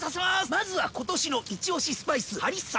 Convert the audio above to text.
まずは今年のイチオシスパイスハリッサ！